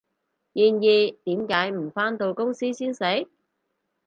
然而，點解唔返到公司先食？